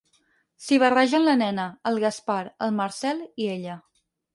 S'hi barregen la nena, el Gaspar, el Marcel i ella.